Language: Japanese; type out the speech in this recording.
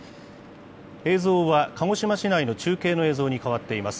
映像は鹿児島市内の中継の映像に変わっています。